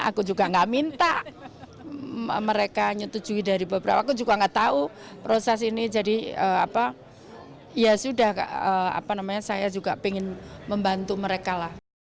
aku juga gak minta mereka nyetujui dari beberapa aku juga gak tahu proses ini jadi ya sudah saya juga pengen membantu mereka lah